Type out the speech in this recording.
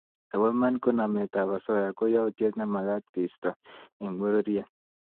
Nebo iman ko nametab osoya ko yautiet nemagat keisto eng pororiet